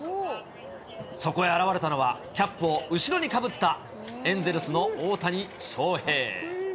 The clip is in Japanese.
そこへ現れたのはキャップを後ろにかぶったエンゼルスの大谷翔平。